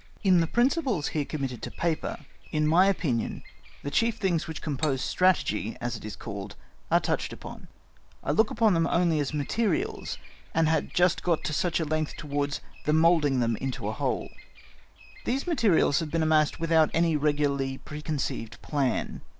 "In the principles here committed to paper, in my opinion, the chief things which compose Strategy, as it is called, are touched upon. I looked upon them only as materials, and had just got to such a length towards the moulding them into a whole. "These materials have been amassed without any regularly preconceived plan.